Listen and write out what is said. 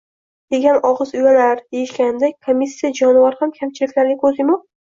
Yegan og‘iz uyalar, deyishganiday komissiya «jonivor» ham, kamchiliklarga ko‘z yumib